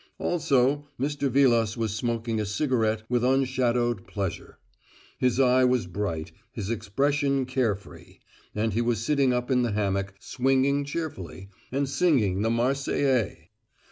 Also, Mr. Vilas was smoking a cigarette with unshadowed pleasure; his eye was bright, his expression care free; and he was sitting up in the hammock, swinging cheerfully, and singing the "Marseillaise."